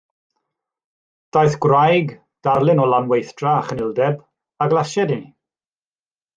Daeth gwraig, darlun o lanweithdra a chynildeb, a glasiaid inni.